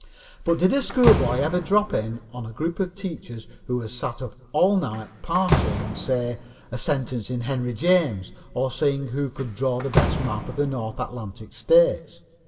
But did a schoolboy ever drop in on a group of teachers who had sat up all night parsing, say, a sentence in Henry James, or seeing who could draw the best map of the North Atlantic states?